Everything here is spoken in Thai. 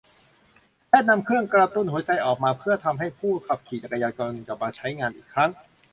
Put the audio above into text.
แพทย์นำเครื่องกระตุ้นหัวใจออกมาเพื่อทำให้ผู้ขับขี่รถจักรยานยนต์กลับมาใช้งานอีกครั้ง